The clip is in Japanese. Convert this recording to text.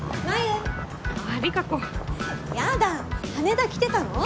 やだ羽田来てたの？